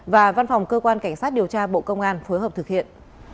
và văn phòng cơ quan cảnh sát điều tra bộ công an phối hợp thực hiện